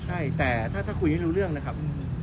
ใช่แต่ถ้าคุยไม่รู้เรื่องนะครับ